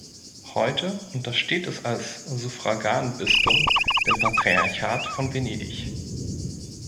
Heute untersteht es als Suffraganbistum dem Patriarchat von Venedig.